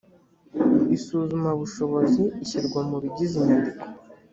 isuzumabushobozi ishyirwa mu bigize inyandiko